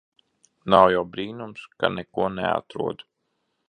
Nav jau brīnums ka neko neatrod.